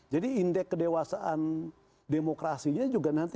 jadi indeks kedewasaan demokrasinya juga nanti